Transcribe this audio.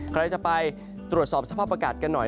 ใครจะไปตรวจสอบสภาพอากาศกันหน่อย